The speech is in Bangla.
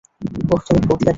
ওহ, তুমি বদলে গেছ।